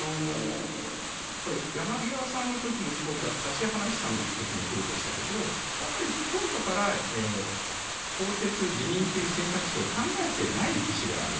山際さんの時もそうだったし葉梨さんの時もそうだったけどやっぱり当初から更迭・辞任という選択肢を考えていない節がある。